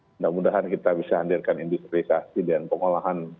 nah mudah mudahan kita bisa hadirkan industrialisasi dan pengolahan